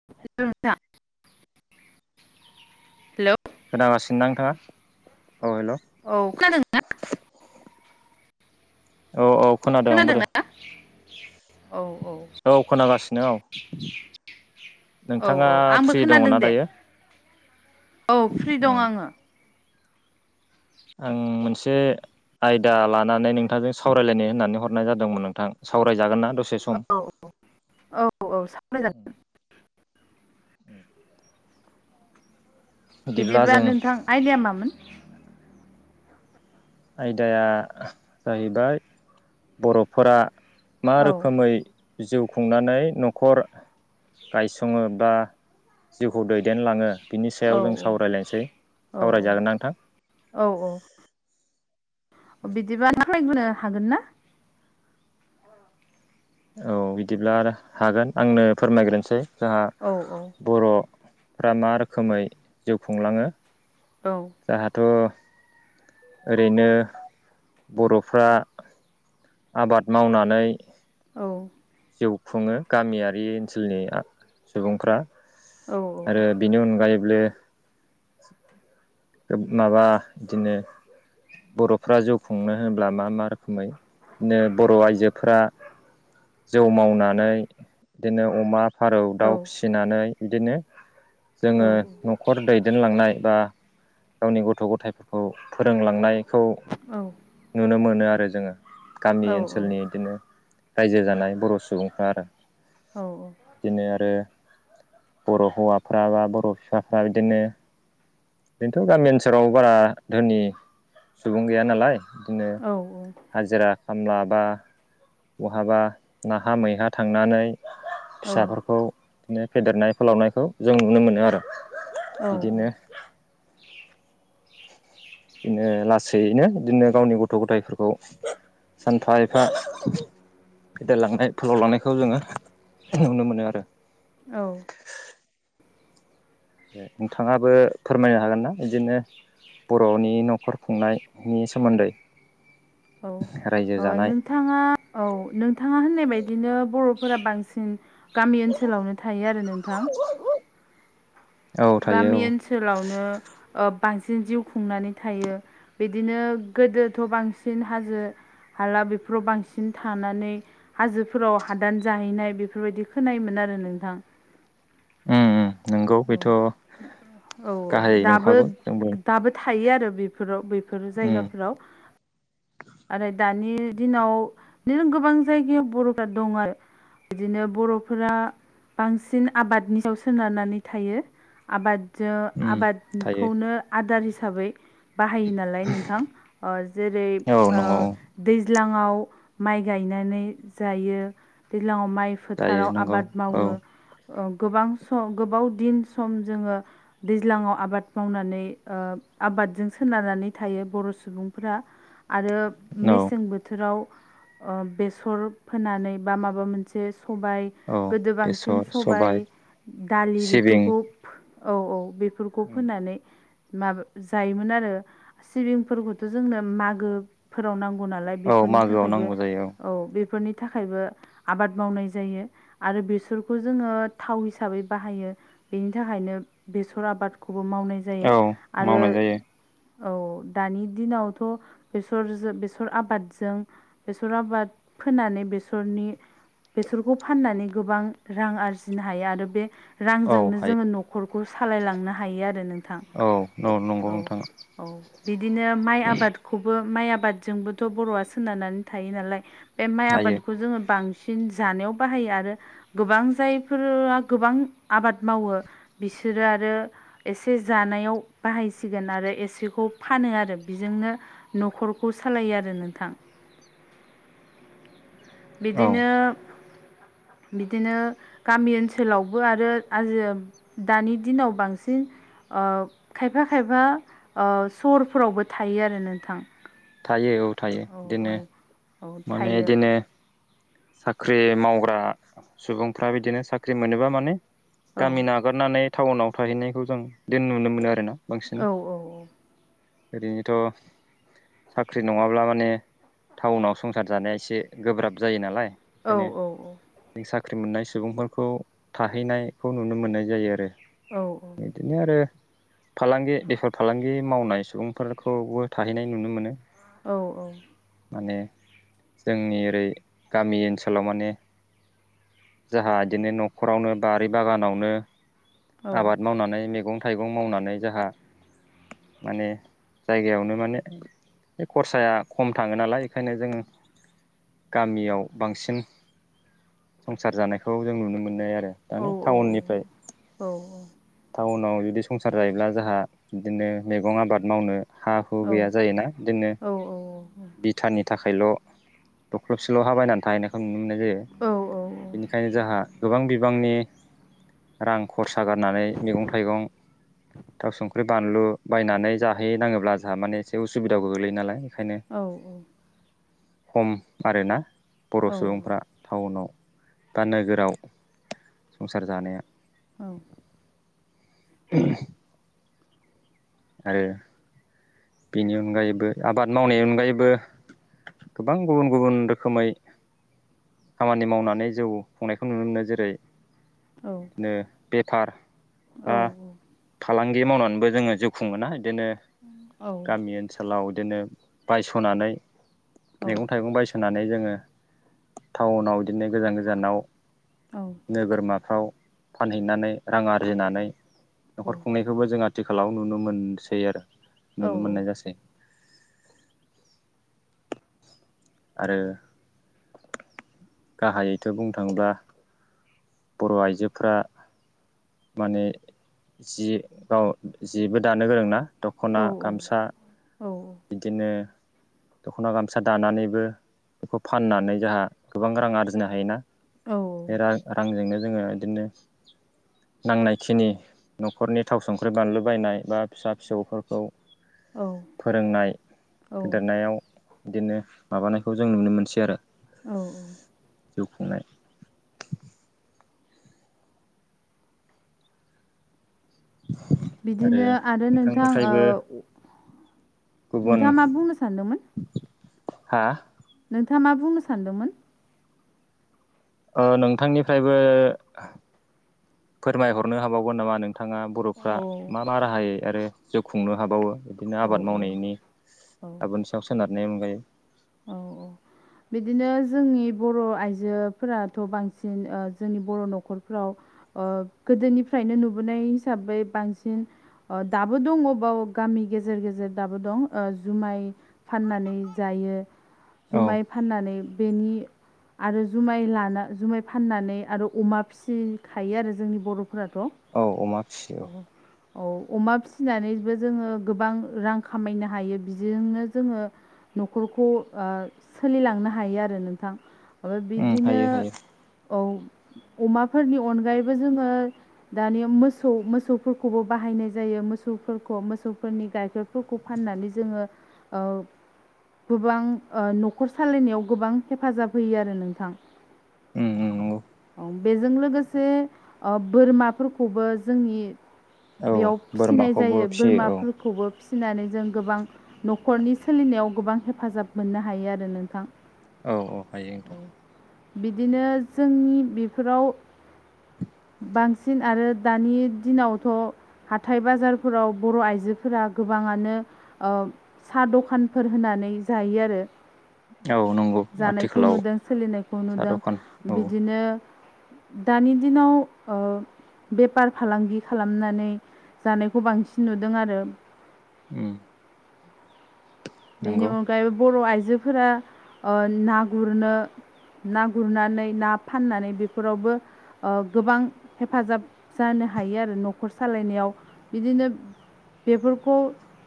[unintelligible] Hello. खोनागासिनो ना नोंथाङा औ हेलौ। औ खोनादों औ औ। खोनादों आंबो दे खोनादोंना औ औ। औ खोनागासिनो औ औ नोंथाङा औ आंबो फ्रि खोनादों दङना दे दायो। औ फ्रि दं उम आङो। आं मोनसे। आयदा लानानै नोंथांजों सावरायलायनो होननानै हरनाय जादोंमोन नोंथां सावरायजागोन ना दसे सम? औ औ [unintelligible] [unintelligible] बिदिब्ला बिदिबा जों नोंथां आयदाया मामोन। आयदाया जाहैबाय बर'फोरा। मा औ रोखोमै जिउ खुंनानै न'खर। गायसङो बा जिउखौ दैदेनलाङो। बिनि औ सायाव जों सावरायलायसै औ सावरायजागोना नोंथां। औ औ। बिदिबा नांलायबोनो हागोन ना। औ बिदिब्ला आरो हागोन आंनो फोरमायग्रोसै जोंहा। औ औ। बर'फ्रा मा रोखोमै जिउ खुंलाङो। औ। जाहाथ'। ओरैनो बर'फ्रा आबाद मावनानै औ। जिउ खुङो गामियारि ओनसोलनिया सुबुंफ्रा औ आरो बेनि अनगायैबो माबा बिदिनो बर'फ्रा जिउखुंनो होनोब्ला मा मा रोखोमैनो बर' आइजोफ्रा जौ मावनानै बिदिनो अमा फारौ औ दाउ फिसिनानै बिदिनो जोंङो न'खर दैदेनलांनाय बा गावनि गथ' गथायफोरखौ फोरोंलांनायखौ औ नुनो मोनो आरो जोंङो‌। गामि औ ओनसोलनि बिदिनो रायजो जानाय बर' सुबुंफ्रा आरो औ बिदिनो आरो बर' हौवाफ्रा बा बर' बिफाफ्रा बिदिनो बेनोथ' गामि ओनसोलाव बारा धोनि सुबुं गैया नालाय। बिदिनो हाजिरा। खामला बा बहाबा नाहा मैहा थांनानै फिसाफोरखौ बिदिनो फेदेरनाय फोलावनायखौ जों नुनो मोनो आरो बिदिनो औ बिदिनो लासैनो बिदिनो गावनि गथ' गथायफोरखौ। सानफा एफा। फेदेरलांनाय फोलाव लांनायखौ जोंङो नुनो मोनो आरो औ। नोंथाङाबो फोरमायनो हागोन ना बिदिनो बर'नि न'खर खुंनायनि सोमोन्दै। रायजो औ जानाय नोंथाङा। औ नोंथाङा होननाय बादिनो बर'फोरा बांसिन गामि ओनसोलावनो थायो आरो नोंथां। [inaudible] औ थायो गामि औ ओनसोलावनो ओ बांसिन जिउ खुंनानै थायो। बिदिनो गोदोथ' बांसिन हाजो। हाला बेफोराव बांसिन थानानै। हाजोफोराव हादान जाहैनाय बेफोरबायदि खोनायोमोन आरो नोंथां। ओम ओम। औ औ औ गाहायै दाबो नंखागौ जोंबो दाबो थायो आरो बेफोराव बेफोर उम जायगाफोराव। आरो दानि दिनाव बिबिनो गोबां जायगायाव बर'फ्रा दं आरो बिदिनो बर'फोरा बांसिन आबादनि सायाव सोनारनानै थायो। आबादजों उम थायो आबादखौनो आदार हिसाबै बाहायो नालाय नोंथां ओ जेरै औ ओ नंगौ दैज्लाङाव माइ गायनानै जायो दैज्लाङाव माइ जायो फोथाराव नंगौ आबाद औ मावो गोबां सम गोबाव दिन सम जोङो दैज्लाङाव आबाद मावनानै ओ आबादजों सोनारनानै थायो बर' सुबुंफोरा। आरो औ मेसें बोथोर बोथोराव बेसर फोनानै बा माबा मोनसे सबाय औ गोदो बांसिन बेसर सबाय दालि सिबिं बेफोरखौ औ औ बेफोरखौ फोनानै। माबा जायोमोन आरो सिबिंफोरखौथ' जोंनो मागो। फोराव नांगौ नालाय औ बेफोरनि मागोआव थाखायबो नांगौ जायो औ बेफोरनि थाखायबो आबाद मावनाय जायो आरो बेसरखौ जोङो थाव हिसाबै बाहायो बेनि थाखायनो बेसर आबाद खौबो मावनाय जायो औ आरो मावनाय जायो औ दानि दिनावथ' बेसरजों बेसर आबादजों बेसर आबाद फोनानै बेसरनि बेसरखौ फाननानै गोबां रां आरजिनो हायो आरो बे औ रांजोंनो हायो जोङो न'खरखौ सालायलांनो हायो आरो नों थां औ नंगौ औ नोंथां औ बिदिनो माइ आबादखौ खौबो माइ आबादजोंबोथ' बर'आ सोनारनानै थायो नालाय बे माइ हायो आबादखौ जोङो बांसिन सिन जानायाव बाहायो आरो गोबां जायफोरा गोबां आबाद मावो बिसोरो आरो एसे जानायाव बाहायसिगोन आरो एसेखौ फानो आरो बेजोंनो न'खरखौ सालायो आरो नोंथां औ बिदिनो बिदिनो गामि ओनसोलावबो आरो आजि दानि दिनाव बांसिन खायफा खायफा सरफोरावबो थायो आरो नोंथां थायो औ थायो बिदिनो माने बिदिनो साख्रि मावग्रा सुबुंफ्रा बिदिनो साख्रि मोनोबा माने गामिना हगारनानै टाउनाव थाहैनायखौ जों द नुनो मोनो आरोना बांसिन ओरैनोथ' साख्रि नङाब्ला माने टाउनाव स संसार जानाया एसे गोब्राब जायो नालाय बेखायनो जों साख्रि मोननाय सुबुंफोरखौ थाहैनायखौ नुनो मोननाय जायो आरो औ औ बिदिनो आरो फालांगि बेफार फालांगि मावनाय सुबुंफोरखौबो थाहैनाय नुनो मोनो औ औ माने जोंनि ओरै गामि ओनसोलाव माने जोंहा बिदिनो न'खरावनो बारि बागानावनो आबाद मावनानै मैगं थाइगं मावनानै जोंहा माने जायगायावनो माने बे खरसाया खम थाङो नालाय बेखायनो जोङो गामियाव बांसिन संसार जानायखौ जों नुनो मोननाय आरो दानि टाउननिफ्राय टाउनाव जुदि संसार जायोब्ला जोंहा बिदिनो मैगं आबाद मावनो हा हु गैया जायोना जोङो भुथानानि थाखायल' दख्लबसेल' ह बायनानै थाहैनायखौ नुनो मोननाय जायो बेनिखायनो जोंहा गोबां बिबांनि रां खरसा गारनानै मैगं थाइगं थााव संख्रि बानलु बायनानै जाहै नाङोब्ला जोंहा माने एसे उसुबिदाबो गोगैयो नालायओंखायनो औ औ खम आरोना बर' सुबुंफ्रा टाउनाव दा नोगोराव संसार जानाया औ आरो बेनि अनगायैबो आबाद मावनायनि अनगायैबो गोबां गुबुन गुबुन रोखोमै खामानि मावनानै जौ खुंनायखौ नुनो मोनो जेरै औ बिनो बेफार बा फालांगि मावनानैबो जोङो जिउ खुंबोनो हायो बिदिनो औ औ गामि ओनसोलाव बिदिनो बायस'नानै मैगं थाइगं बायस' नानै जोङो टाउनाव बिदिनो गोजान गोजानाव औ नोगोरमाफ्राव फानहैनानै रां आरजिनानै न'खर खुंनाय जा बेखौबो जों आथिखालाव नुनो मोनसै आरो नुनो मोननाय जासै आरो गाहायैथ' बुंनो थांब्ला बर' आइजोफोरा्रा माने जि गाव जिेबो दानो गोरोंनाा दख'ना गामसा औ बिदिनो दख'ना गामसा दानानैबो बेखौ फाननानै जोंहा गोबां रां आरजिनो हायोना बे रांजोंनो जोङो बिदिनो नांनाय खिनि न'खरनि थाव संख्रि बानलु बायनाय बा फिसा फिसौफोरखौ फोरोंनाय फेदेरनायाव बिदिनो माबानायखौ जों नुनो मोनसै आरो औ औ जिउ खुंनाय औ बिदिनो आरो नोंथां गुबुन नोंथाङा मा बुंनो सानदोंमोन हा? नोंथाङा मा बुंनो सानदोंमोन नोंथांनिफ्रायबो फोरमायहरनो हाबावगोन नामा नों नथाङा बर'फ्रा औ मा मा राहायै आरो जिउ खुंनो हाबावो बिदिनो औ आबाद मावनायनि औ गाबोन सायाव सोनारनायनि अनगायै औ औ बिदिनो जोंनि बर' आइजोफोराथ' बांसिन जोंनि बर' न'खरफ्राव गोदोनिफ्रायनो नुबोनाय हिसाबै बांसिन दाबो दं अबबाव गामि गेजेर गेजेर दाबो दं जुमाय फाननानै जायो औ जुमाय फाननानै बेनि आरो जुमाय लाना जुमाय फाननानै आरो अमा फिसिखायो आरो जोंनि बर'फोराथ' औ अमा फिसि औ औ अमा फिनानैबो जोङो गोबां रां खामायनो हायो बिजोंनो जोङो न'खरखौ सोलिलांनो हायो आरो नोंथां ओमफ्राय औ उम बिदिनो हायो हायो औ अमाफोरनि अनगायैबो जोङो दानि मोसौ मोसौफोरखौबो बाहायनाय जायो मोसौफोरखौ मोसौफोरनि गायखेर फोरखौ फाननानै जोङो गोबां न'खर सालायनायाव गोबां हेफाजाब होयो आरो नोंथां उम उम नंगौ औ बेजों लोगोसे बोरमाफोरखौबो जोंनि औ बेयाव फिसिनाय बोरमाखौबो जायो फिसियो औ बोरमाफोरखौबो फिसिनानै जों गोबां न'खरनि सोलिनायाव गोबां हेफाजाब मोननो हायो आरो नोंथां। औ औ हायो नोंथां। बिदिनो जोंनि बेफोराव बांसिन आरो दानि दिनावथ' हाथथाय बाजारफोराव बर' आइजोफोरा गोबाङानो साहा दखानफोर होनानै जायो आरो। औ नंगौ जानायखौ आथिखालाव नुदों सोलिनायखौ साहा नुदों दखान औ बिदिनो दानि दिनाव ओ बेफार फालांगि खालामनानै जानायखौ बांसिन नुदों आरो ओम बेनि अनगायैबो बर' आइजोफोरा ना गुरनो ना गुरनानै ना फाननानै बेफोरावबो गोबां हेफाजाब जानो हायो आरो न'खर सालायनायाव बिदिनो बेफोरखौ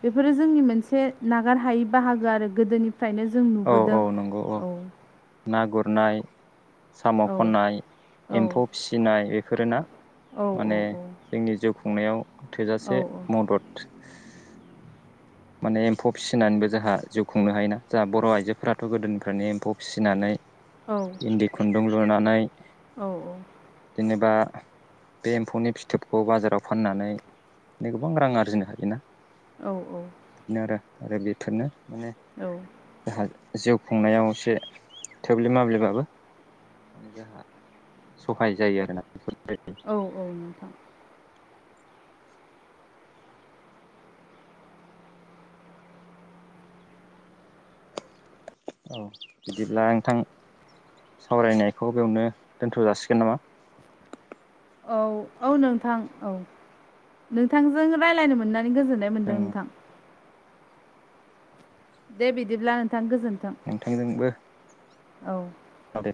बेफोरो जोंनि मोनसे नागार हायै बाहागो आरो गोदोनिफ्रायनो जों नुबोदों औ। ना गुरनाय साम' औ खननाय एम्फौ फिसिनाय बे बेफोरोना औ माने जोंनि जिउ खुंनायाव औ थोजासे मदद माने एम्फौ फिसिनानैबो जोंहा जिउ खुंनो हायोना। दा बर' आइजोफोराथ' गोदोनिफ्रायनो एम्फौ फिसिनानै औ इन्दि खुन्दुं लुनानै औ औ। जेनेबा बे एम्फौनि फिथोबखौ बाजाराव फाननानै गोबां रां आरजिनो हादोंना। औ औ। बिदिनो आरो आरो बेफोरनो माने औ। जोंहा जिउ खुंनायाव एसे थोब्ले माब्लेबाबो जाहा सहाय जायो आरो ना। [inaudible] औ औ नोंथां। औ बिदिब्ला नोंथां सावरायनायखौ बेयावनो दोनथ' जासिगोन नामा। औ औ नोंथां औ नोंथांजों राय्लायनो मोननानै गोजोननाय जों मोन्दों नोंथां। दे बिदिब्ला नोंथां गोजोन्थों। नोंथांजोंबो औ। अ दे